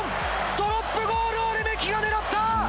ドロップゴールをレメキが狙った。